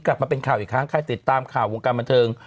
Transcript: กลับมาเป็นข่าวอีกครั้งใครติดตามข่าววงการบันเทิง